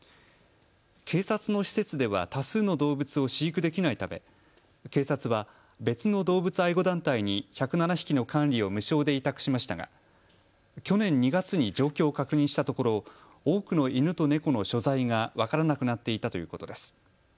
警察の施設では多数の動物を飼育できないため警察は別の動物愛護団体に１０７匹の管理を無償で委託しましたが去年２月に状況を確認したところ多くの犬と猫の所在が分からなくなっていたということです。